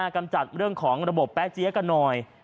กำจัดเรื่องของระบบแป๊เจี๊ยกันหน่อย